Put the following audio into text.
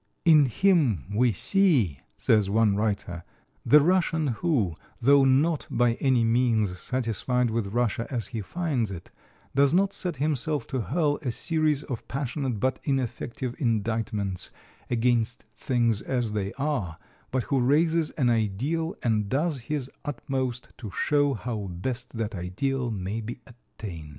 "In him we see," says one writer, "the Russian who, though not by any means satisfied with Russia as he finds it, does not set himself to hurl a series of passionate but ineffective indictments against things as they are, but who raises an ideal and does his utmost to show how best that ideal may be attained."